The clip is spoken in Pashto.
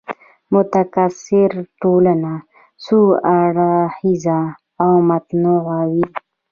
متکثره ټولنه څو اړخیزه او متنوع وي.